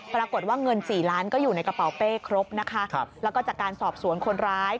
ปรากฏว่าเงินสี่ล้านก็อยู่ในกระเป๋าเป้ครบนะคะแล้วก็จากการสอบสวนคนร้าย